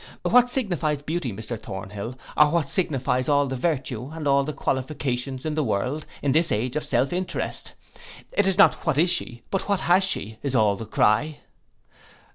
What signifies beauty, Mr Thornhill? or what signifies all the virtue, and all the qualifications in the world, in this age of self interest? It is not, what is she? but what has she? is all the cry.